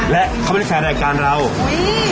และเขาเป็นแฟนในการเรารู่